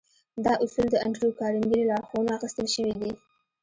دا اصول د انډريو کارنګي له لارښوونو اخيستل شوي دي.